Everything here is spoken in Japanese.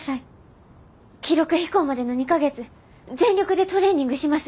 記録飛行までの２か月全力でトレーニングします。